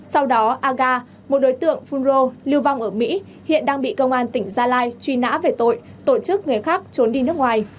sau đó aga một đối tượng phun rô lưu vong ở mỹ hiện đang bị công an tỉnh gia lai truy nã về tội tổ chức người khác trốn đi nước ngoài